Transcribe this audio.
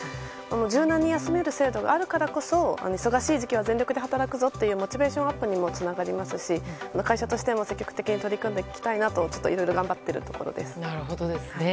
柔軟に休める制度があるからこそ忙しい時期は全力で働くぞというモチベーションアップにもつながりますし、会社としても積極的に取り組んでいきたいなといろいろ頑張っているところです。